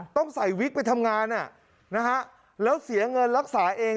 ต้องใส่วิกไปทำงานแล้วเสียเงินรักษาเอง